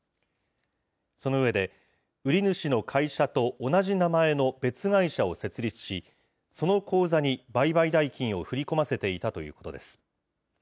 その上で、売り主の会社と同じ名前の別会社を設立し、その口座に売買代金を振り込ませていたということです。